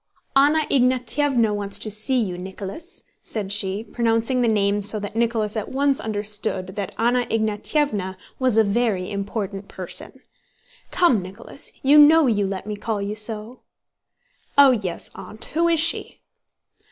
"Anna Ignátyevna wants to see you, Nicholas," said she, pronouncing the name so that Nicholas at once understood that Anna Ignátyevna was a very important person. "Come, Nicholas! You know you let me call you so?" "Oh, yes, Aunt. Who is she?"